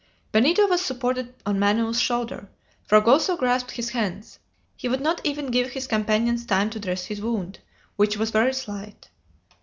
Benito was supported on Manoel's shoulder; Fragoso grasped his hands. He would not even give his companions time to dress his wound, which was very slight.